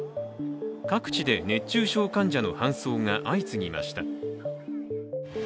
各地で熱中症患者の搬送が相次ぎました。